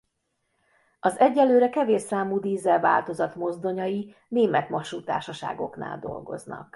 Az egyelőre kevés számú dízel változat mozdonyai német vasúttársaságoknál dolgoznak.